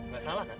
gak salah kan